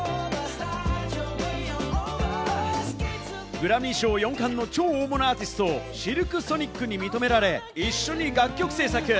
グラミー賞４冠の超大物アーティスト、シルク・ソニックに認められ、一緒に楽曲制作。